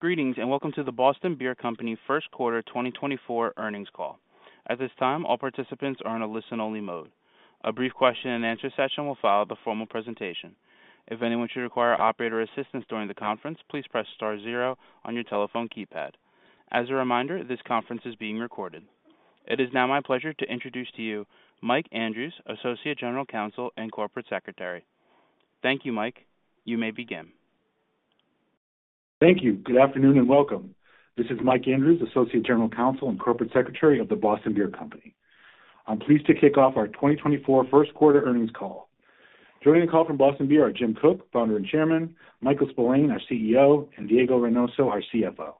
Greetings and welcome to the Boston Beer Company First Quarter 2024 earnings call. At this time, all participants are in a listen-only mode. A brief question-and-answer session will follow the formal presentation. If anyone should require operator assistance during the conference, please press star zero on your telephone keypad. As a reminder, this conference is being recorded. It is now my pleasure to introduce to you Mike Andrews, Associate General Counsel and Corporate Secretary. Thank you, Mike. You may begin. Thank you. Good afternoon and welcome. This is Mike Andrews, Associate General Counsel and Corporate Secretary of The Boston Beer Company. I'm pleased to kick off our 2024 first quarter earnings call. Joining the call from Boston Beer are Jim Koch, Founder and Chairman, Michael Spillane, our CEO, and Diego Reynoso, our CFO.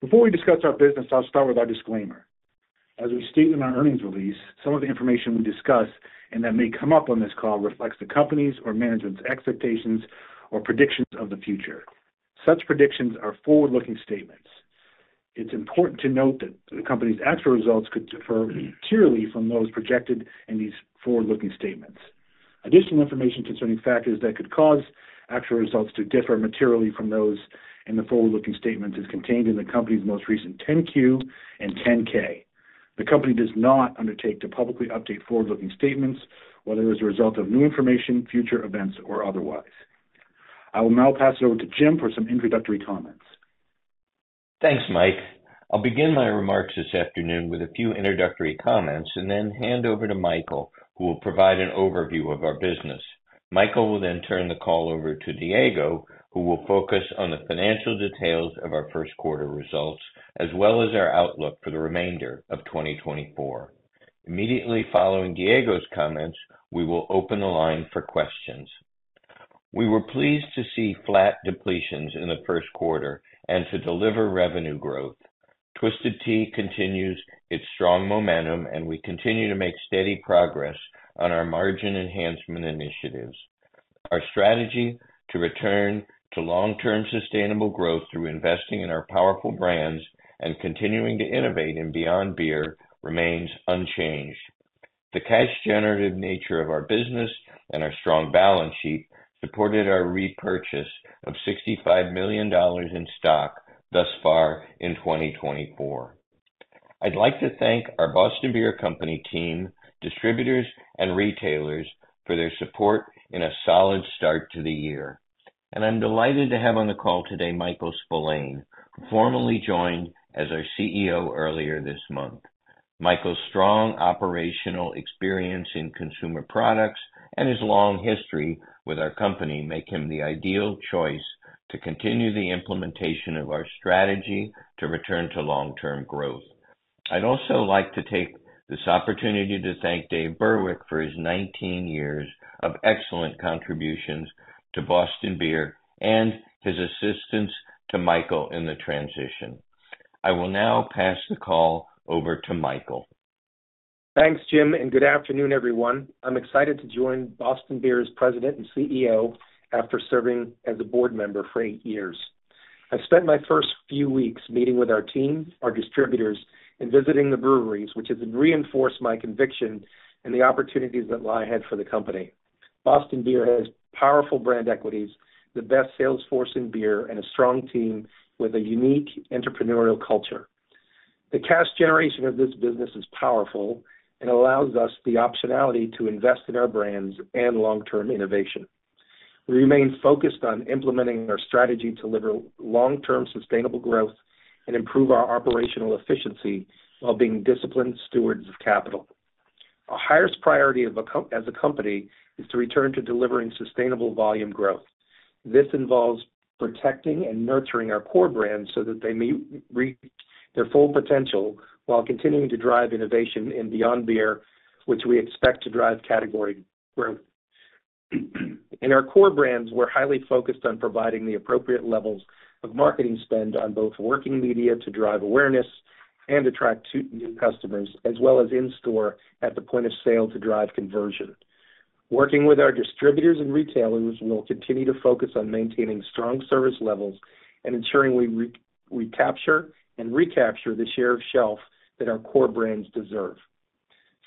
Before we discuss our business, I'll start with our disclaimer. As we state in our earnings release, some of the information we discuss and that may come up on this call reflects the company's or management's expectations or predictions of the future. Such predictions are forward-looking statements. It's important to note that the company's actual results could differ materially from those projected in these forward-looking statements. Additional information concerning factors that could cause actual results to differ materially from those in the forward-looking statements is contained in the company's most recent 10-Q and 10-K. The company does not undertake to publicly update forward-looking statements, whether as a result of new information, future events, or otherwise. I will now pass it over to Jim for some introductory comments. Thanks, Mike. I'll begin my remarks this afternoon with a few introductory comments and then hand over to Michael, who will provide an overview of our business. Michael will then turn the call over to Diego, who will focus on the financial details of our first quarter results as well as our outlook for the remainder of 2024. Immediately following Diego's comments, we will open the line for questions. We were pleased to see flat depletions in the first quarter and to deliver revenue growth. Twisted Tea continues its strong momentum, and we continue to make steady progress on our margin enhancement initiatives. Our strategy to return to long-term sustainable growth through investing in our powerful brands and continuing to innovate in Beyond Beer remains unchanged. The cash-generative nature of our business and our strong balance sheet supported our repurchase of $65 million in stock thus far in 2024. I'd like to thank our Boston Beer Company team, distributors, and retailers for their support in a solid start to the year. I'm delighted to have on the call today Michael Spillane, who formally joined as our CEO earlier this month. Michael's strong operational experience in consumer products and his long history with our company make him the ideal choice to continue the implementation of our strategy to return to long-term growth. I'd also like to take this opportunity to thank Dave Burwick for his 19 years of excellent contributions to Boston Beer and his assistance to Michael in the transition. I will now pass the call over to Michael. Thanks, Jim, and good afternoon, everyone. I'm excited to join Boston Beer's President and CEO after serving as a board member for eight years. I've spent my first few weeks meeting with our team, our distributors, and visiting the breweries, which has reinforced my conviction in the opportunities that lie ahead for the company. Boston Beer has powerful brand equities, the best sales force in beer, and a strong team with a unique entrepreneurial culture. The cash generation of this business is powerful and allows us the optionality to invest in our brands and long-term innovation. We remain focused on implementing our strategy to deliver long-term sustainable growth and improve our operational efficiency while being disciplined stewards of capital. Our highest priority as a company is to return to delivering sustainable volume growth. This involves protecting and nurturing our core brands so that they may reach their full potential while continuing to drive innovation in Beyond Beer, which we expect to drive category growth. In our core brands, we're highly focused on providing the appropriate levels of marketing spend on both working media to drive awareness and attract new customers, as well as in-store at the point of sale to drive conversion. Working with our distributors and retailers, we'll continue to focus on maintaining strong service levels and ensuring we recapture the share of shelf that our core brands deserve.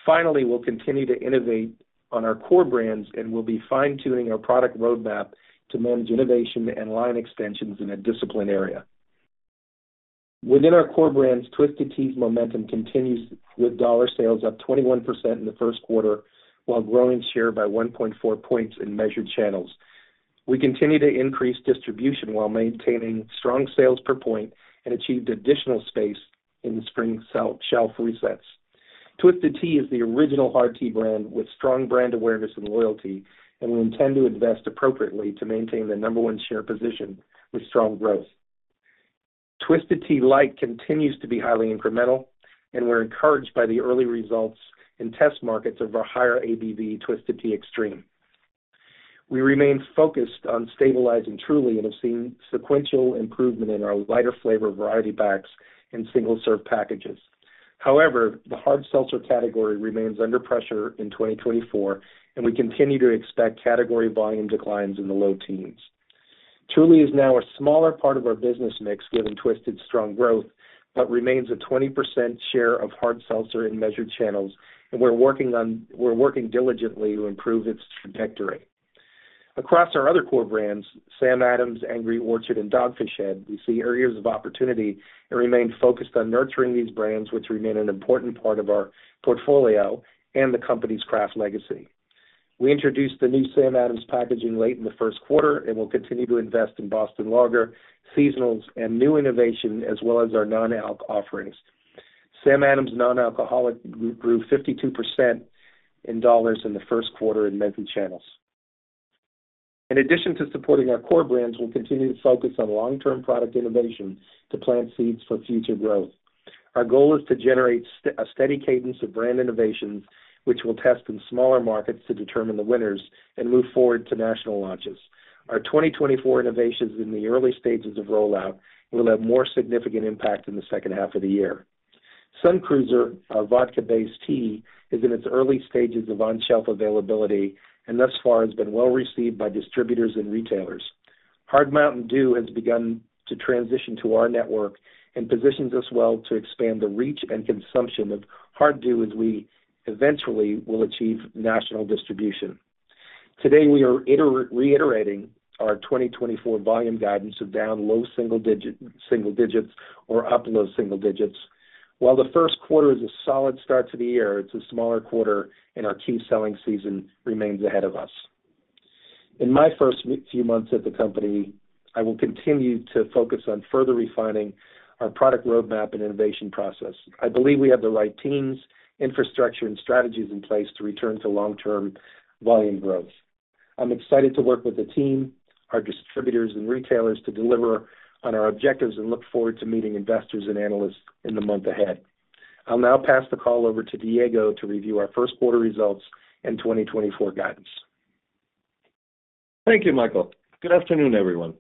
Finally, we'll continue to innovate on our core brands and will be fine-tuning our product roadmap to manage innovation and line extensions in a disciplined area. Within our core brands, Twisted Tea's momentum continues with dollar sales up 21% in the first quarter while growing share by 1.4 points in measured channels. We continue to increase distribution while maintaining strong sales per point and achieved additional space in the spring shelf resets. Twisted Tea is the original hard tea brand with strong brand awareness and loyalty, and we intend to invest appropriately to maintain the number one share position with strong growth. Twisted Tea Light continues to be highly incremental, and we're encouraged by the early results in test markets of our higher ABV Twisted Tea Extreme. We remain focused on stabilizing Truly and have seen sequential improvement in our lighter flavor variety packs and single-serve packages. However, the hard seltzer category remains under pressure in 2024, and we continue to expect category volume declines in the low teens. Truly is now a smaller part of our business mix given Twisted's strong growth but remains a 20% share of hard seltzer in measured channels, and we're working diligently to improve its trajectory. Across our other core brands, Sam Adams, Angry Orchard, and Dogfish Head, we see areas of opportunity and remain focused on nurturing these brands, which remain an important part of our portfolio and the company's craft legacy. We introduced the new Sam Adams packaging late in the first quarter and will continue to invest in Boston Lager, seasonals, and new innovation, as well as our non-alc offerings. Sam Adams Non-Alcoholic grew 52% in dollars in the first quarter in measured channels. In addition to supporting our core brands, we'll continue to focus on long-term product innovation to plant seeds for future growth. Our goal is to generate a steady cadence of brand innovations, which we'll test in smaller markets to determine the winners and move forward to national launches. Our 2024 innovations in the early stages of rollout will have more significant impact in the second half of the year. Sun Cruiser, our vodka-based tea, is in its early stages of on-shelf availability and thus far has been well received by distributors and retailers. Hard Mountain Dew has begun to transition to our network and positions us well to expand the reach and consumption of Hard Dew as we eventually will achieve national distribution. Today, we are reiterating our 2024 volume guidance of down low single digits or up low single digits. While the first quarter is a solid start to the year, it's a smaller quarter, and our key selling season remains ahead of us. In my first few months at the company, I will continue to focus on further refining our product roadmap and innovation process. I believe we have the right teams, infrastructure, and strategies in place to return to long-term volume growth. I'm excited to work with the team, our distributors, and retailers to deliver on our objectives and look forward to meeting investors and analysts in the month ahead. I'll now pass the call over to Diego to review our first quarter results and 2024 guidance. Thank you, Michael. Good afternoon, everyone.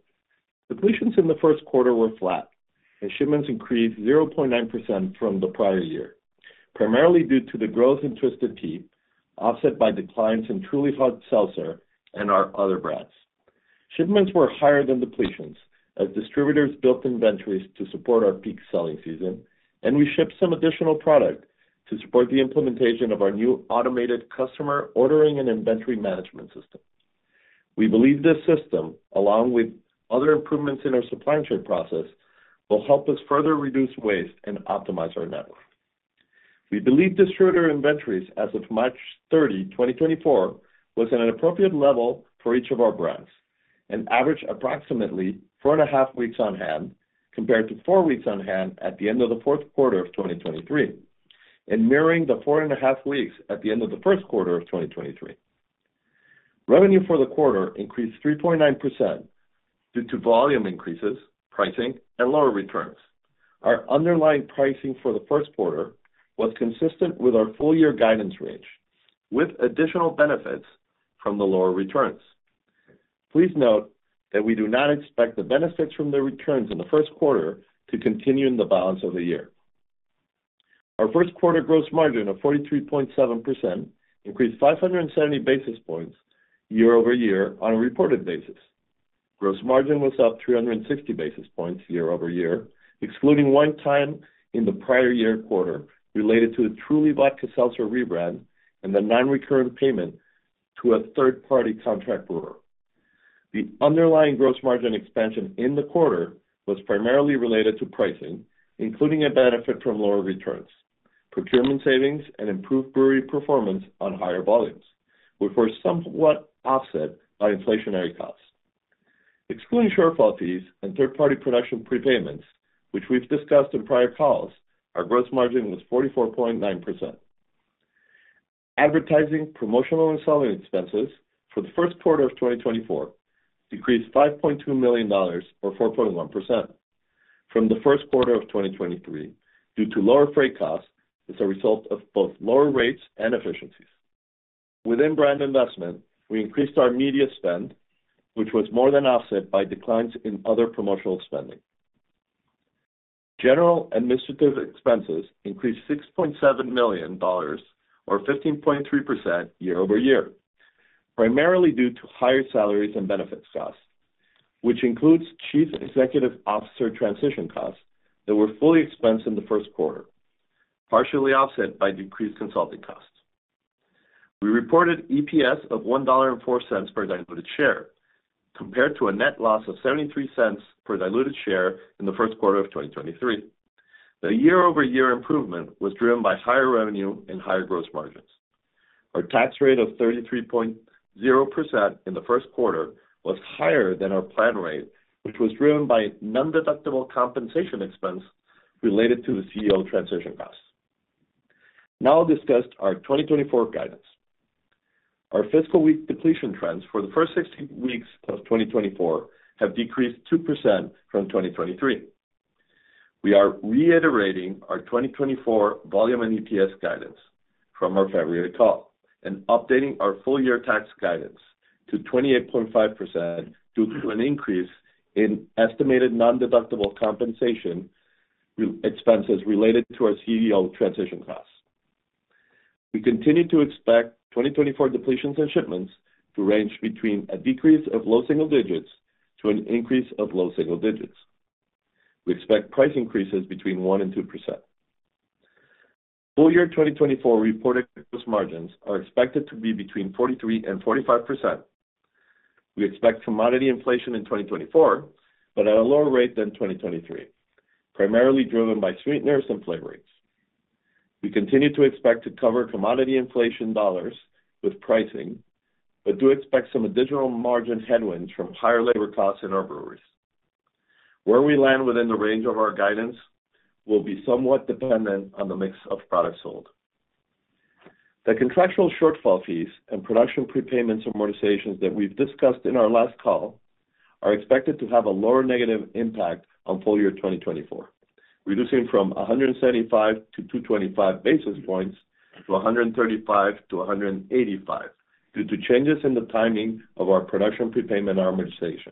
Depletions in the first quarter were flat, and shipments increased 0.9% from the prior year, primarily due to the growth in Twisted Tea offset by declines in Truly Hard Seltzer and our other brands. Shipments were higher than depletions as distributors built inventories to support our peak selling season, and we shipped some additional product to support the implementation of our new automated customer ordering and inventory management system. We believe this system, along with other improvements in our supply chain process, will help us further reduce waste and optimize our network. We believe distributor inventories as of March 30, 2024, was at an appropriate level for each of our brands and averaged approximately 4.5 weeks on hand compared to four weeks on hand at the end of the fourth quarter of 2023 and mirroring the 4.5 weeks at the end of the first quarter of 2023. Revenue for the quarter increased 3.9% due to volume increases, pricing, and lower returns. Our underlying pricing for the first quarter was consistent with our full-year guidance range, with additional benefits from the lower returns. Please note that we do not expect the benefits from the returns in the first quarter to continue in the balance of the year. Our first quarter gross margin of 43.7% increased 570 basis points year-over-year on a reported basis. Gross margin was up 360 basis points year-over-year, excluding one-time in the prior year quarter related to the Truly Vodka Seltzer rebrand and the non-recurrent payment to a third-party contract brewer. The underlying gross margin expansion in the quarter was primarily related to pricing, including a benefit from lower returns, procurement savings, and improved brewery performance on higher volumes, which were somewhat offset by inflationary costs. Excluding shortfall fees and third-party production prepayments, which we've discussed in prior calls, our gross margin was 44.9%. Advertising, promotional, and selling expenses for the first quarter of 2024 decreased $5.2 million or 4.1% from the first quarter of 2023 due to lower freight costs as a result of both lower rates and efficiencies. Within brand investment, we increased our media spend, which was more than offset by declines in other promotional spending. General administrative expenses increased $6.7 million or 15.3% year-over-year, primarily due to higher salaries and benefits costs, which includes Chief Executive Officer transition costs that were fully expensed in the first quarter, partially offset by decreased consulting costs. We reported EPS of $1.04 per diluted share compared to a net loss of $0.73 per diluted share in the first quarter of 2023. The year-over-year improvement was driven by higher revenue and higher gross margins. Our tax rate of 33.0% in the first quarter was higher than our plan rate, which was driven by non-deductible compensation expense related to the CEO transition costs. Now I'll discuss our 2024 guidance. Our fiscal week depletion trends for the first 16 weeks of 2024 have decreased 2% from 2023. We are reiterating our 2024 volume and EPS guidance from our February call and updating our full-year tax guidance to 28.5% due to an increase in estimated non-deductible compensation expenses related to our CEO transition costs. We continue to expect 2024 depletions and shipments to range between a decrease of low single digits to an increase of low single digits. We expect price increases between 1%-2%. Full-year 2024 reported gross margins are expected to be between 43%-45%. We expect commodity inflation in 2024 but at a lower rate than 2023, primarily driven by sweeteners and flavorings. We continue to expect to cover commodity inflation dollars with pricing but do expect some additional margin headwinds from higher labor costs in our breweries. Where we land within the range of our guidance will be somewhat dependent on the mix of products sold. The contractual shortfall fees and production prepayments amortizations that we've discussed in our last call are expected to have a lower negative impact on full-year 2024, reducing from 175-225 basis points to 135-185 due to changes in the timing of our production prepayment amortization.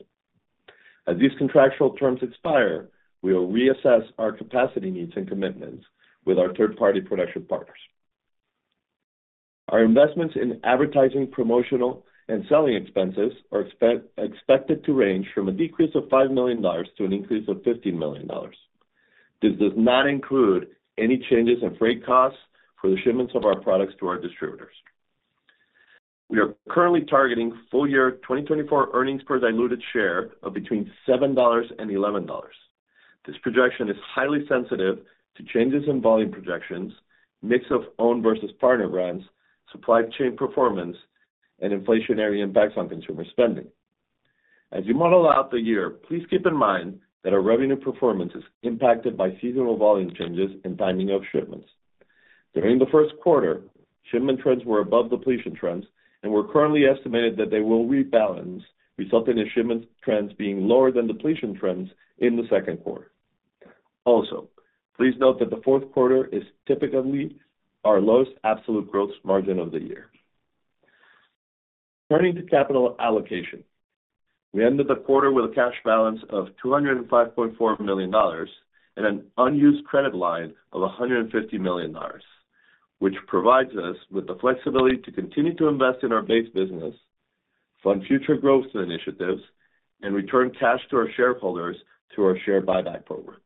As these contractual terms expire, we will reassess our capacity needs and commitments with our third-party production partners. Our investments in advertising, promotional, and selling expenses are expected to range from a decrease of $5 million to an increase of $15 million. This does not include any changes in freight costs for the shipments of our products to our distributors. We are currently targeting full-year 2024 earnings per diluted share of between $7 and $11. This projection is highly sensitive to changes in volume projections, mix of owned versus partner brands, supply chain performance, and inflationary impacts on consumer spending. As you model out the year, please keep in mind that our revenue performance is impacted by seasonal volume changes and timing of shipments. During the first quarter, shipment trends were above depletion trends and we're currently estimated that they will rebalance, resulting in shipment trends being lower than depletion trends in the second quarter. Also, please note that the fourth quarter is typically our lowest absolute gross margin of the year. Turning to capital allocation, we ended the quarter with a cash balance of $205.4 million and an unused credit line of $150 million, which provides us with the flexibility to continue to invest in our base business, fund future growth initiatives, and return cash to our shareholders through our share buyback program.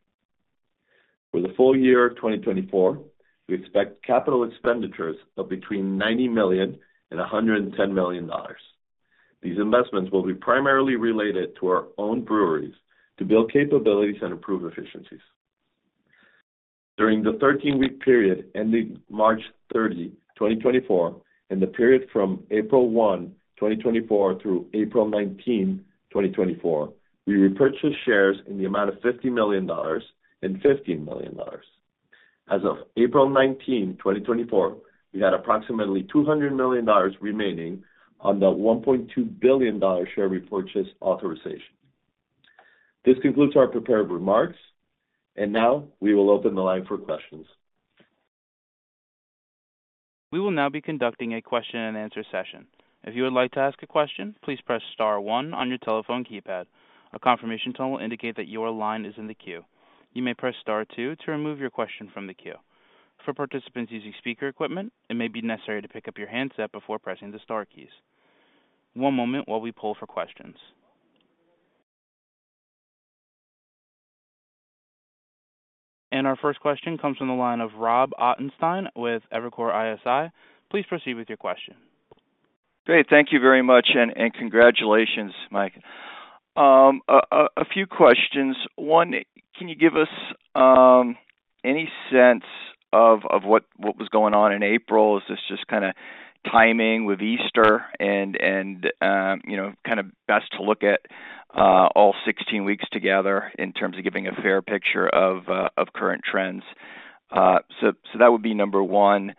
For the full year 2024, we expect capital expenditures of between $90 million and $110 million. These investments will be primarily related to our own breweries to build capabilities and improve efficiencies. During the 13-week period ending March 30, 2024, and the period from April 1, 2024, through April 19, 2024, we repurchased shares in the amount of $50 million and $15 million. As of April 19, 2024, we had approximately $200 million remaining on the $1.2 billion share repurchase authorization. This concludes our prepared remarks, and now we will open the line for questions. We will now be conducting a question-and-answer session. If you would like to ask a question, please press star one on your telephone keypad. A confirmation tone will indicate that your line is in the queue. You may press star two to remove your question from the queue. For participants using speaker equipment, it may be necessary to pick up your handset before pressing the star keys. One moment while we pull for questions. Our first question comes from the line of Rob Ottenstein with Evercore ISI. Please proceed with your question. Great. Thank you very much and congratulations, Mike. A few questions. One, can you give us any sense of what was going on in April? Is this just kind of timing with Easter and kind of best to look at all 16 weeks together in terms of giving a fair picture of current trends? So that would be number one.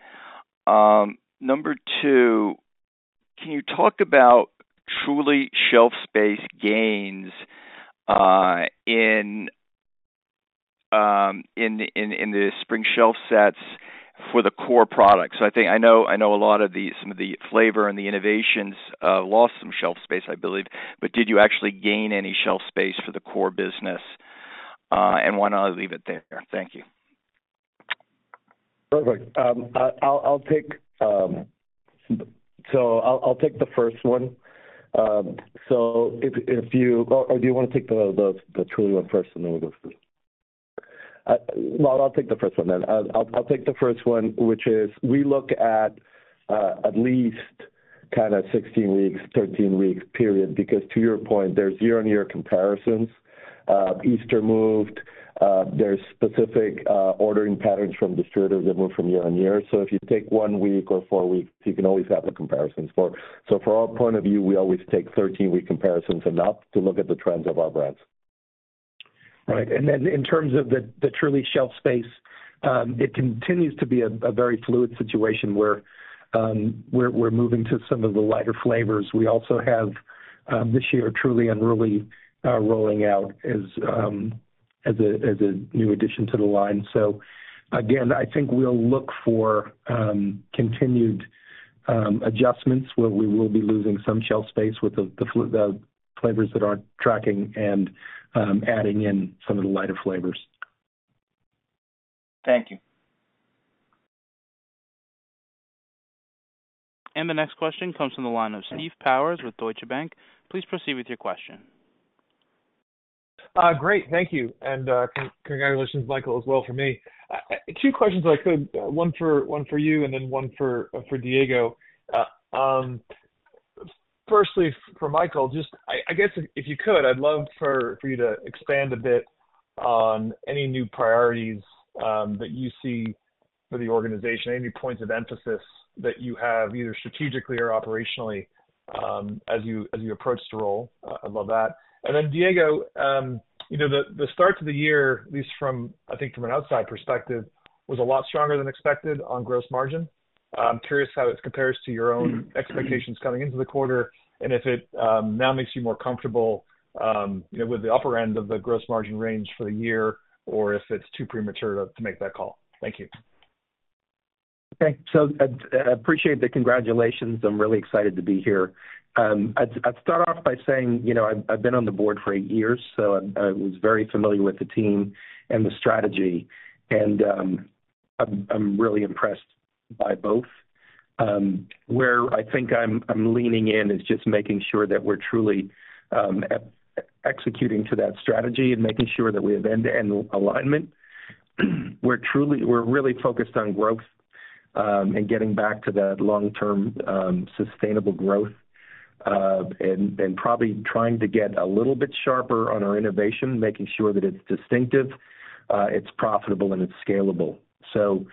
Number two, can you talk about Truly shelf space gains in the spring shelf sets for the core products? So I know a lot of some of the flavor and the innovations lost some shelf space, I believe, but did you actually gain any shelf space for the core business? And why not leave it there? Thank you. Perfect. I'll take the first one. So do you want to take the Truly Unruly first, and then we'll go through? Well, I'll take the first one then. I'll take the first one, which is we look at at least kind of 16 weeks, 13-week period because to your point, there's year-on-year comparisons. Easter moved. There's specific ordering patterns from distributors that move from year-to-year. So if you take one week or four weeks, you can always have the comparisons for. So from our point of view, we always take 13-week comparisons enough to look at the trends of our brands. Right. And then in terms of the Truly shelf space, it continues to be a very fluid situation where we're moving to some of the lighter flavors. We also have this year Truly Unruly rolling out as a new addition to the line. So again, I think we'll look for continued adjustments where we will be losing some shelf space with the flavors that aren't tracking and adding in some of the lighter flavors. Thank you. The next question comes from the line of Steve Powers with Deutsche Bank. Please proceed with your question. Great. Thank you. And congratulations, Michael, as well from me. Two questions if I could, one for you and then one for Diego. Firstly, for Michael, just, I guess, if you could, I'd love for you to expand a bit on any new priorities that you see for the organization, any new points of emphasis that you have either strategically or operationally as you approach the role. I'd love that. And then, Diego, the start to the year, at least from, I think, from an outside perspective, was a lot stronger than expected on gross margin. I'm curious how it compares to your own expectations coming into the quarter and if it now makes you more comfortable with the upper end of the gross margin range for the year or if it's too premature to make that call. Thank you. Okay. So I appreciate the congratulations. I'm really excited to be here. I'd start off by saying I've been on the board for eight years, so I was very familiar with the team and the strategy. And I'm really impressed by both. Where I think I'm leaning in is just making sure that we're truly executing to that strategy and making sure that we have end-to-end alignment. We're really focused on growth and getting back to that long-term sustainable growth and probably trying to get a little bit sharper on our innovation, making sure that it's distinctive, it's profitable, and it's scalable. So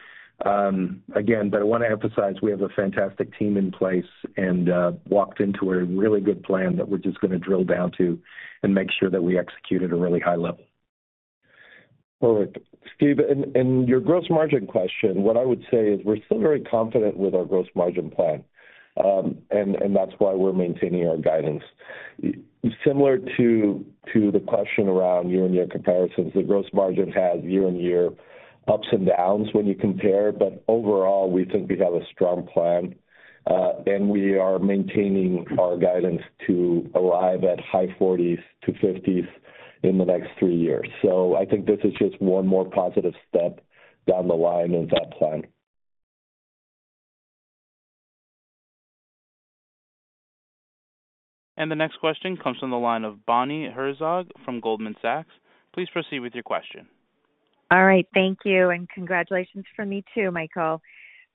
again, but I want to emphasize we have a fantastic team in place and walked into a really good plan that we're just going to drill down to and make sure that we execute at a really high level. Perfect. Steve, in your gross margin question, what I would say is we're still very confident with our gross margin plan, and that's why we're maintaining our guidance. Similar to the question around year-on-year comparisons, the gross margin has year-on-year ups and downs when you compare, but overall, we think we have a strong plan, and we are maintaining our guidance to arrive at high 40s%-50s% in the next three years. So I think this is just one more positive step down the line in that plan. The next question comes from the line of Bonnie Herzog from Goldman Sachs. Please proceed with your question. All right. Thank you. Congratulations from me too, Michael.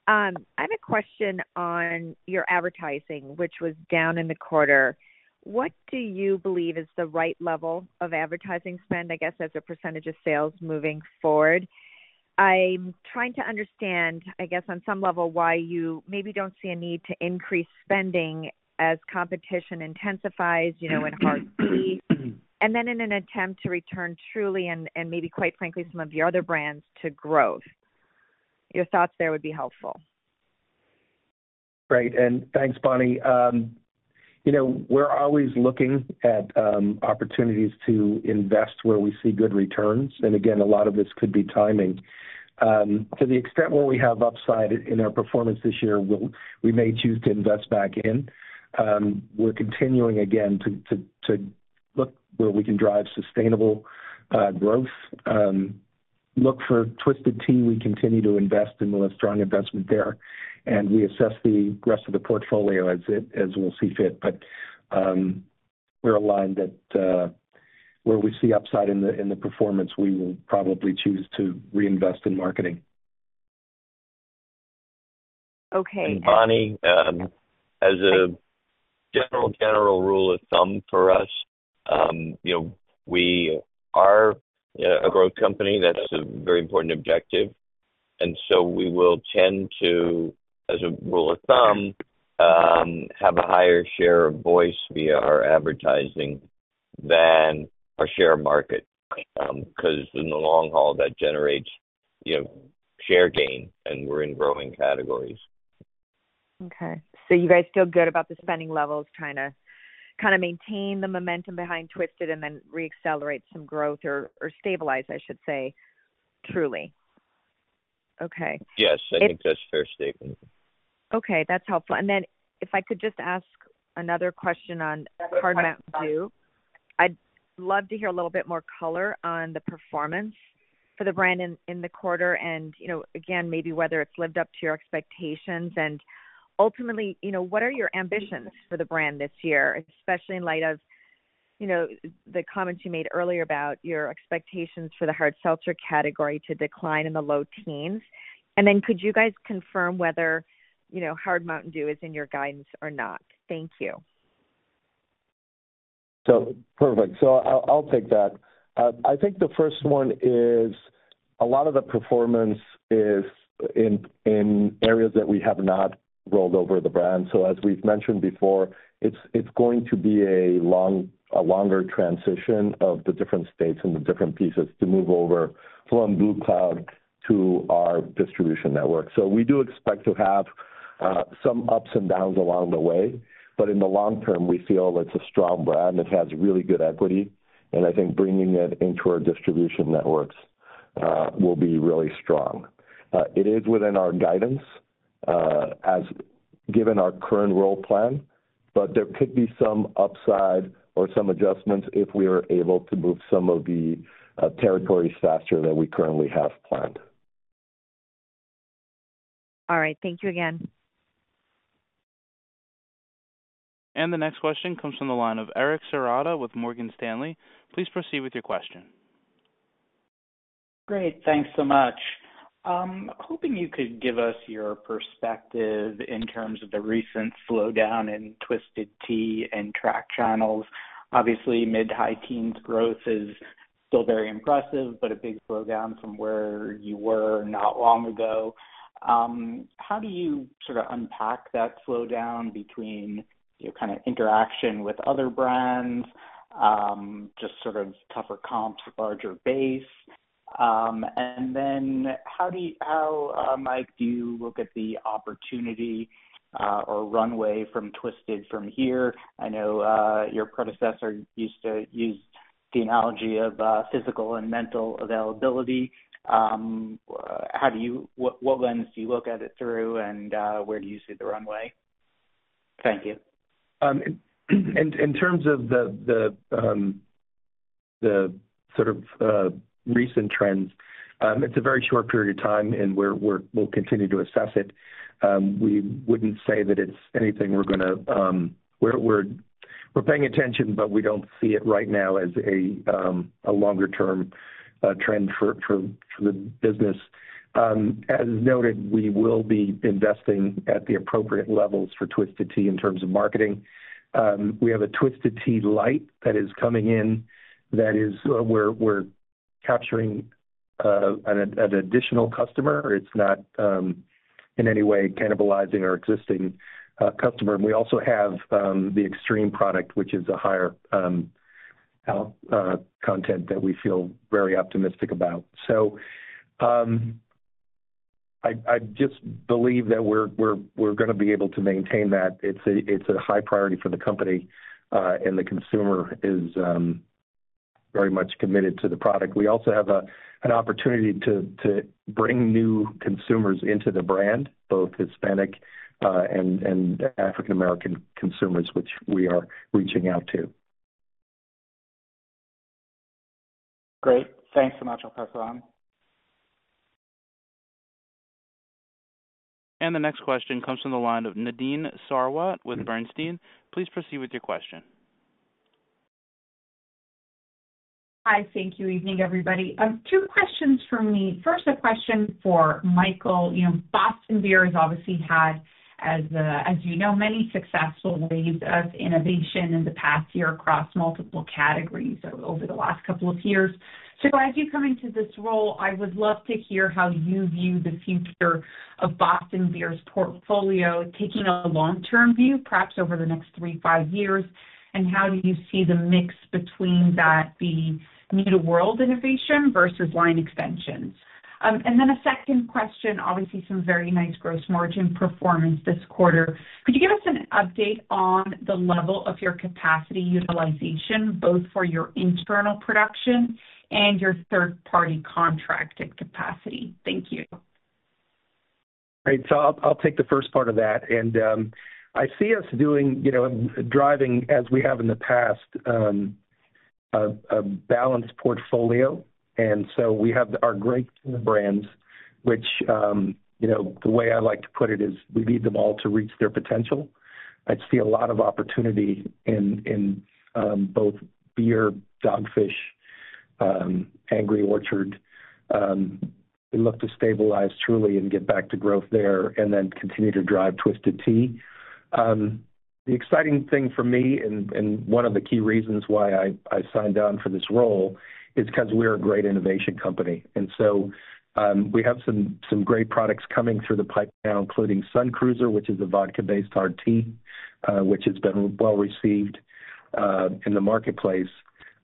I have a question on your advertising, which was down in the quarter. What do you believe is the right level of advertising spend, I guess, as a percentage of sales moving forward? I'm trying to understand, I guess, on some level why you maybe don't see a need to increase spending as competition intensifies in hard seltzer and then in an attempt to return Truly and maybe, quite frankly, some of your other brands to growth. Your thoughts there would be helpful. Right. Thanks, Bonnie. We're always looking at opportunities to invest where we see good returns. Again, a lot of this could be timing. To the extent where we have upside in our performance this year, we may choose to invest back in. We're continuing, again, to look where we can drive sustainable growth. Look for Twisted Tea. We continue to invest and we'll have strong investment there. We assess the rest of the portfolio as we'll see fit. But we're aligned that where we see upside in the performance, we will probably choose to reinvest in marketing. Okay. Bonnie, as a general, general rule of thumb for us, we are a growth company. That's a very important objective. And so we will tend to, as a rule of thumb, have a higher share of voice via our advertising than our market share because in the long haul, that generates share gain, and we're in growing categories. Okay. So you guys feel good about the spending levels, trying to kind of maintain the momentum behind Twisted and then reaccelerate some growth or stabilize, I should say, Truly? Okay. Yes. I think that's a fair statement. Okay. That's helpful. And then if I could just ask another question on Hard Mountain Dew, I'd love to hear a little bit more color on the performance for the brand in the quarter and, again, maybe whether it's lived up to your expectations. And ultimately, what are your ambitions for the brand this year, especially in light of the comments you made earlier about your expectations for the hard seltzer category to decline in the low teens? And then could you guys confirm whether Hard Mountain Dew is in your guidance or not? Thank you. So, perfect. So I'll take that. I think the first one is a lot of the performance is in areas that we have not rolled over the brand. So as we've mentioned before, it's going to be a longer transition of the different states and the different pieces to move over from Blue Cloud to our distribution network. So we do expect to have some ups and downs along the way, but in the long term, we feel it's a strong brand. It has really good equity. And I think bringing it into our distribution networks will be really strong. It is within our guidance given our current roll plan, but there could be some upside or some adjustments if we are able to move some of the territories faster than we currently have planned. All right. Thank you again. The next question comes from the line of Eric Serotta with Morgan Stanley. Please proceed with your question. Great. Thanks so much. Hoping you could give us your perspective in terms of the recent slowdown in Twisted Tea and tracked channels. Obviously, mid-high teens growth is still very impressive, but a big slowdown from where you were not long ago. How do you sort of unpack that slowdown between kind of interaction with other brands, just sort of tougher comps, larger base? And then how, Mike, do you look at the opportunity or runway for Twisted from here? I know your predecessor used to use the analogy of physical and mental availability. What lens do you look at it through, and where do you see the runway? Thank you. In terms of the sort of recent trends, it's a very short period of time, and we'll continue to assess it. We wouldn't say that it's anything we're paying attention to, but we don't see it right now as a longer-term trend for the business. As noted, we will be investing at the appropriate levels for Twisted Tea in terms of marketing. We have a Twisted Tea Light that is coming in that is we're capturing an additional customer. It's not in any way cannibalizing our existing customer. And we also have the extreme product, which is a higher content that we feel very optimistic about. So I just believe that we're going to be able to maintain that. It's a high priority for the company, and the consumer is very much committed to the product. We also have an opportunity to bring new consumers into the brand, both Hispanic and African-American consumers, which we are reaching out to. Great. Thanks so much, El Paso. The next question comes from the line of Nadine Sarwat with Bernstein. Please proceed with your question. Hi. Thank you. Evening, everybody. Two questions from me. First, a question for Michael. Boston Beer has obviously had, as you know, many successful waves of innovation in the past year across multiple categories over the last couple of years. So as you come into this role, I would love to hear how you view the future of Boston Beer's portfolio, taking a long-term view, perhaps over the next three, five years, and how do you see the mix between that, the new-to-world innovation versus line extensions? And then a second question, obviously, some very nice gross margin performance this quarter. Could you give us an update on the level of your capacity utilization, both for your internal production and your third-party contracted capacity? Thank you. Great. So I'll take the first part of that. I see us driving, as we have in the past, a balanced portfolio. So we have our great brands, which the way I like to put it is we lead them all to reach their potential. I see a lot of opportunity in both beer, Dogfish Head, Angry Orchard. We look to stabilize Truly and get back to growth there and then continue to drive Twisted Tea. The exciting thing for me and one of the key reasons why I signed on for this role is because we're a great innovation company. So we have some great products coming through the pipeline now, including Sun Cruiser, which is a vodka-based hard tea, which has been well received in the marketplace,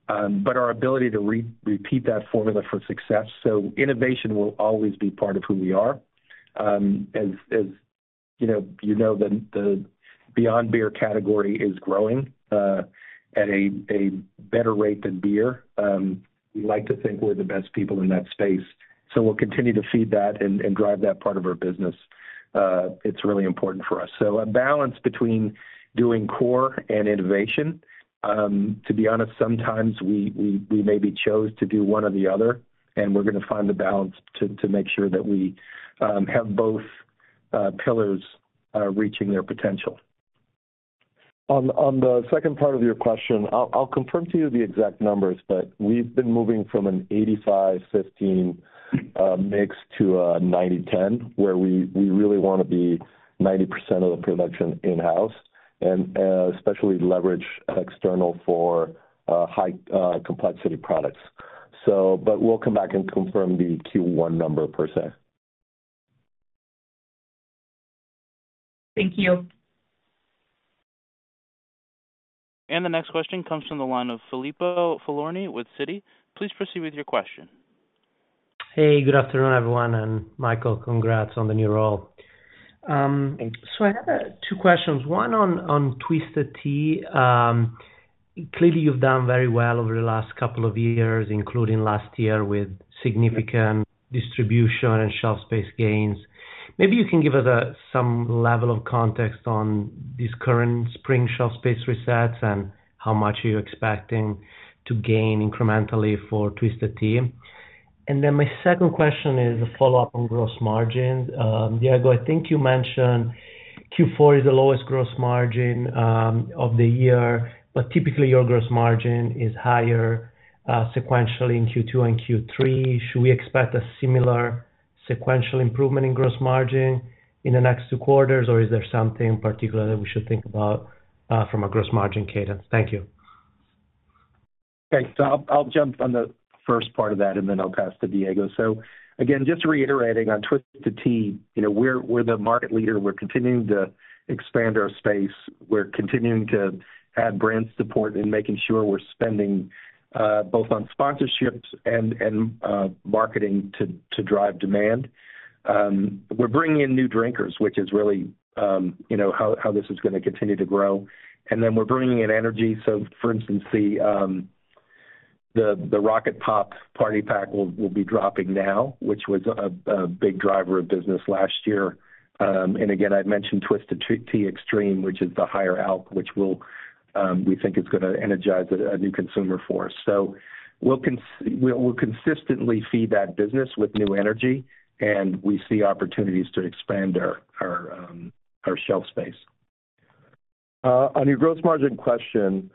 but our ability to repeat that formula for success. So innovation will always be part of who we are. As you know, the beyond beer category is growing at a better rate than beer. We like to think we're the best people in that space. So we'll continue to feed that and drive that part of our business. It's really important for us. So a balance between doing core and innovation. To be honest, sometimes we maybe chose to do one or the other, and we're going to find the balance to make sure that we have both pillars reaching their potential. On the second part of your question, I'll confirm to you the exact numbers, but we've been moving from an 85/15 mix to a 90/10 where we really want to be 90% of the production in-house and especially leverage external for high-complexity products. But we'll come back and confirm the Q1 number per se. Thank you. The next question comes from the line of Filippo Falorni with Citi. Please proceed with your question. Hey. Good afternoon, everyone. And Michael, congrats on the new role. So I have two questions. One on Twisted Tea. Clearly, you've done very well over the last couple of years, including last year, with significant distribution and shelf space gains. Maybe you can give us some level of context on these current spring shelf space resets and how much are you expecting to gain incrementally for Twisted Tea? And then my second question is a follow-up on gross margins. Diego, I think you mentioned Q4 is the lowest gross margin of the year, but typically, your gross margin is higher sequentially in Q2 and Q3. Should we expect a similar sequential improvement in gross margin in the next two quarters, or is there something in particular that we should think about from a gross margin cadence? Thank you. Thanks. So I'll jump on the first part of that, and then I'll pass to Diego. So again, just reiterating on Twisted Tea, we're the market leader. We're continuing to expand our space. We're continuing to add brand support and making sure we're spending both on sponsorships and marketing to drive demand. We're bringing in new drinkers, which is really how this is going to continue to grow. And then we're bringing in energy. So for instance, the Rocket Pop party pack will be dropping now, which was a big driver of business last year. And again, I'd mentioned Twisted Tea Extreme, which is the higher alc, which we think is going to energize a new consumer force. So we'll consistently feed that business with new energy, and we see opportunities to expand our shelf space. On your gross margin question,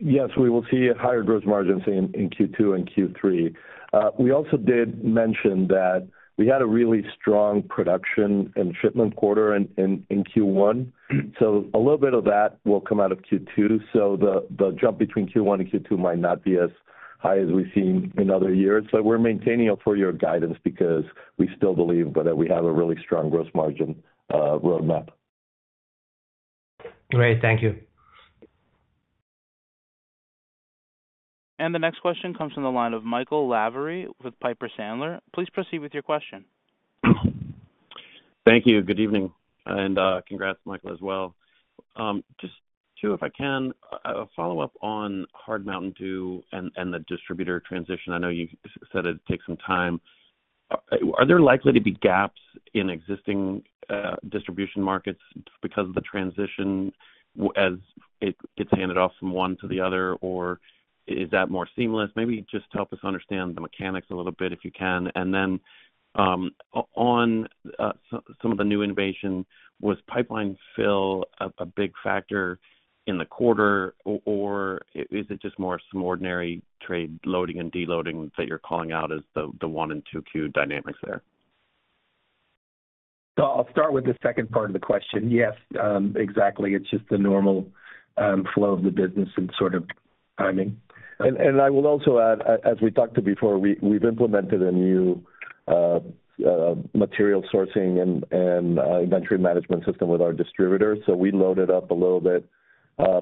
yes, we will see a higher gross margin in Q2 and Q3. We also did mention that we had a really strong production and shipment quarter in Q1. So a little bit of that will come out of Q2. So the jump between Q1 and Q2 might not be as high as we've seen in other years. But we're maintaining it for your guidance because we still believe that we have a really strong gross margin roadmap. Great. Thank you. The next question comes from the line of Michael Laverry with Piper Sandler. Please proceed with your question. Thank you. Good evening. Congrats, Michael, as well. Just to, if I can, a follow-up on Hard Mountain Dew and the distributor transition. I know you said it'd take some time. Are there likely to be gaps in existing distribution markets because of the transition as it gets handed off from one to the other, or is that more seamless? Maybe just help us understand the mechanics a little bit if you can. And then on some of the new innovation, was pipeline fill a big factor in the quarter, or is it just more some ordinary trade loading and deloading that you're calling out as the 1 and 2Q dynamics there? I'll start with the second part of the question. Yes, exactly. It's just the normal flow of the business and sort of timing. I will also add, as we talked before, we've implemented a new material sourcing and inventory management system with our distributor. We loaded up a little bit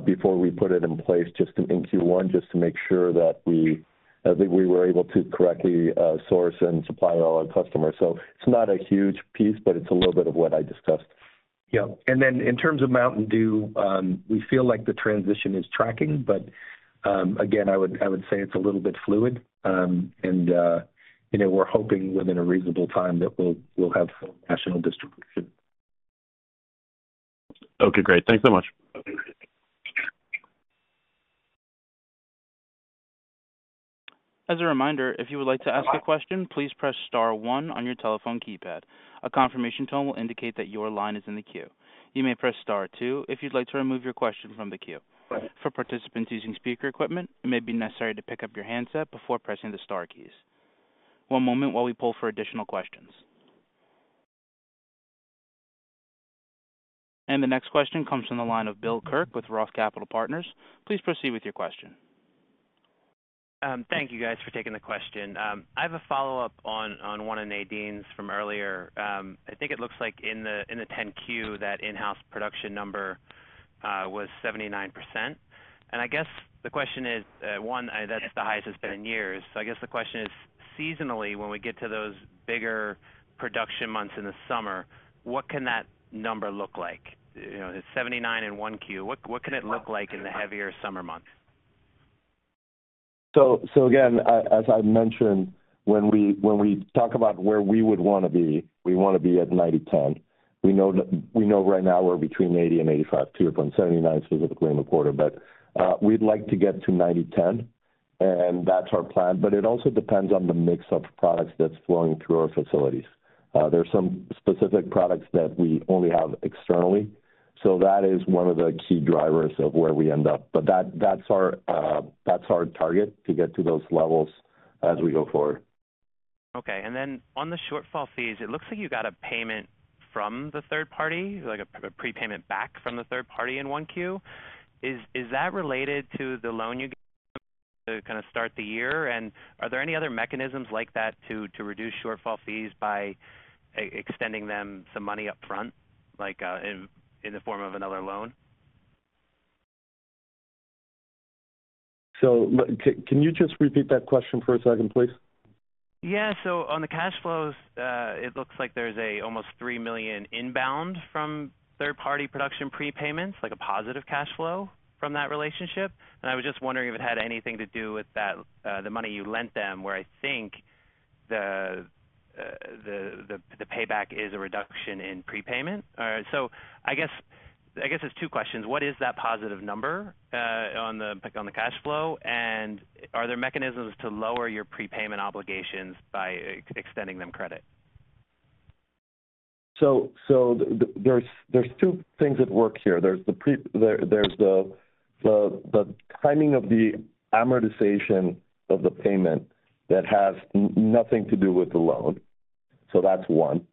before we put it in place in Q1 just to make sure that we were able to correctly source and supply all our customers. It's not a huge piece, but it's a little bit of what I discussed. Yep. And then in terms of Mountain Dew, we feel like the transition is tracking, but again, I would say it's a little bit fluid. And we're hoping within a reasonable time that we'll have full national distribution. Okay. Great. Thanks so much. As a reminder, if you would like to ask a question, please press star one on your telephone keypad. A confirmation tone will indicate that your line is in the queue. You may press star two if you'd like to remove your question from the queue. For participants using speaker equipment, it may be necessary to pick up your handset before pressing the star keys. One moment while we pull for additional questions. The next question comes from the line of Bill Kirk with Roth MKM. Please proceed with your question. Thank you, guys, for taking the question. I have a follow-up on one of Nadine's from earlier. I think it looks like in the 10-Q that in-house production number was 79%. And I guess the question is, one, that's the highest it's been in years. So I guess the question is, seasonally, when we get to those bigger production months in the summer, what can that number look like? It's 79% in one Q. What can it look like in the heavier summer months? So again, as I mentioned, when we talk about where we would want to be, we want to be at 90/10. We know right now we're between 80 and 85, 2.79 specifically in the quarter. But we'd like to get to 90/10, and that's our plan. But it also depends on the mix of products that's flowing through our facilities. There's some specific products that we only have externally. So that is one of the key drivers of where we end up. But that's our target to get to those levels as we go forward. Okay. And then on the shortfall fees, it looks like you got a payment from the third party, a prepayment back from the third party in 1Q. Is that related to the loan you get to kind of start the year? And are there any other mechanisms like that to reduce shortfall fees by extending them some money upfront in the form of another loan? Can you just repeat that question for a second, please? Yeah. So on the cash flows, it looks like there's almost $3 million inbound from third-party production prepayments, a positive cash flow from that relationship. And I was just wondering if it had anything to do with the money you lent them where I think the payback is a reduction in prepayment. So I guess it's two questions. What is that positive number on the cash flow? And are there mechanisms to lower your prepayment obligations by extending them credit? So there's two things that work here. There's the timing of the amortization of the payment that has nothing to do with the loan. So that's one.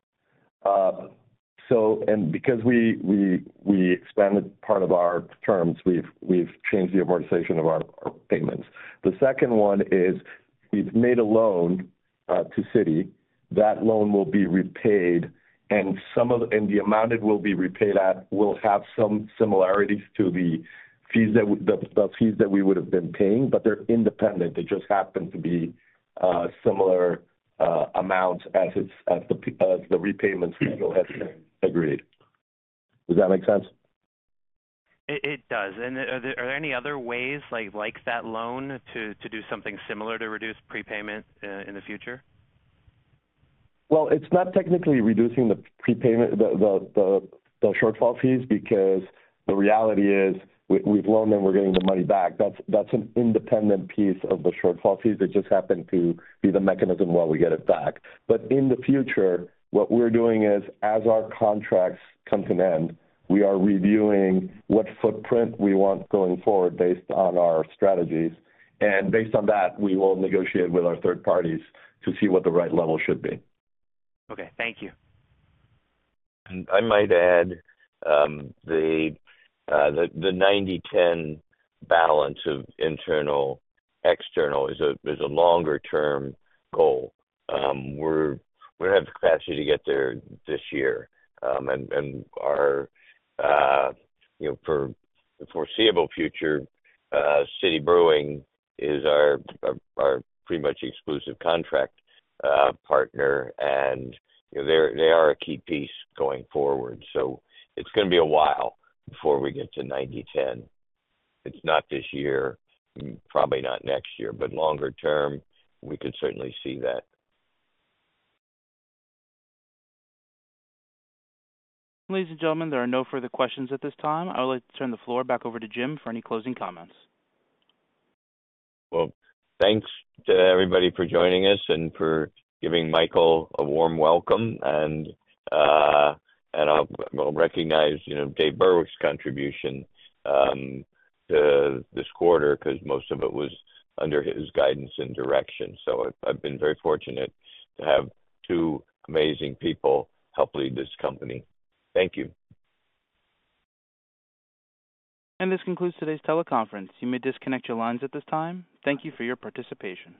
And because we expanded part of our terms, we've changed the amortization of our payments. The second one is we've made a loan to City. That loan will be repaid, and the amount it will be repaid at will have some similarities to the fees that we would have been paying, but they're independent. They just happen to be similar amounts as the repayments we still have agreed. Does that make sense? It does. Are there any other ways like that loan to do something similar to reduce prepayment in the future? Well, it's not technically reducing the shortfall fees because the reality is we've loaned them. We're getting the money back. That's an independent piece of the shortfall fees. It just happened to be the mechanism while we get it back. In the future, what we're doing is as our contracts come to an end, we are reviewing what footprint we want going forward based on our strategies. Based on that, we will negotiate with our third parties to see what the right level should be. Okay. Thank you. And I might add the 90/10 balance of internal/external is a longer-term goal. We have the capacity to get there this year. And for the foreseeable future, City Brewing is our pretty much exclusive contract partner, and they are a key piece going forward. So it's going to be a while before we get to 90/10. It's not this year, probably not next year. But longer term, we could certainly see that. Ladies and gentlemen, there are no further questions at this time. I would like to turn the floor back over to Jim for any closing comments. Well, thanks to everybody for joining us and for giving Michael a warm welcome. I'll recognize Dave Burwick's contribution to this quarter because most of it was under his guidance and direction. I've been very fortunate to have two amazing people help lead this company. Thank you. This concludes today's teleconference. You may disconnect your lines at this time. Thank you for your participation.